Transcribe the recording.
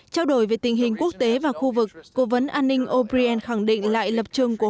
trao đổi về tình hình quốc tế và khu vực cố vấn an ninh o brien khẳng định lại lập trường của